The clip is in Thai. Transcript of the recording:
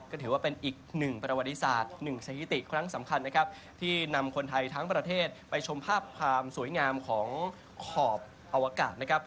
ก็ถือว่าเป็นอีกหนึ่งประวัติศาสตร์หนึ่งสถิติครั้งสำคัญนะครับที่นำคนไทยทั้งประเทศไปชมภาพความสวยงามของขอบอวกาศนะครับ